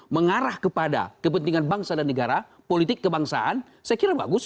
mengarah kepada kepentingan bangsa dan negara politik kebangsaan saya kira bagus